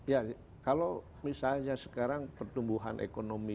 ya kalau misalnya sekarang pertumbuhan ekonomi